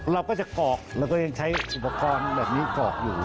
เราก็จะกรอกเราก็ยังใช้อุปกรณ์แบบนี้กรอกอยู่